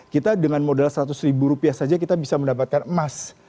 kita dengan modal seratus ribu rupiah saja kita bisa mendapatkan emas